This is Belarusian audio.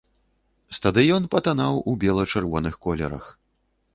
Стадыён патанаў у бела-чырвоных колерах.